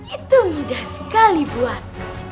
itu mudah sekali buat